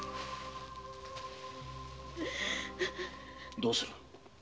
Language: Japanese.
どうする？